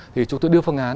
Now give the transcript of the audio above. thì chúng tôi đưa phương án